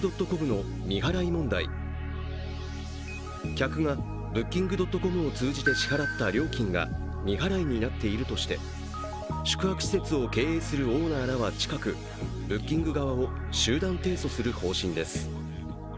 客がブッキングドットコムを通じて支払った料金が未払いになっているとして、宿泊施設を経営するオーナーらは近く近く、ブッキング側を集団提訴する方針です。